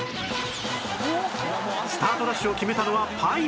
スタートダッシュを決めたのはパイン